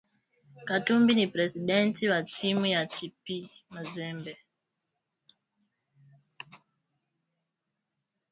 Katumbi ni presidenti wa timu ya TP mazembe